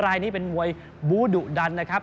รายนี้เป็นมวยบูดุดันนะครับ